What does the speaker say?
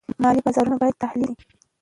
مالي بازارونه باید تحلیل شي.